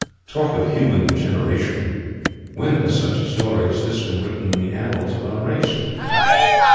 Talk of human degeneration! When has such a story as this been written in the annals of our race?